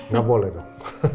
gak boleh dong